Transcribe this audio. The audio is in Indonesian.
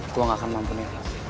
gua nggak akan mampuni lu